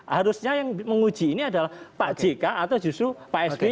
harusnya yang menguji ini adalah pak jk atau justru pak sby